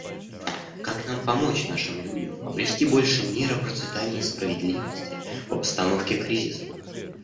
Как нам помочь нашим людям обрести больше мира, процветания и справедливости в обстановке кризисов?